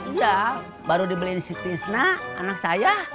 iya baru dibeliin si tisna anak saya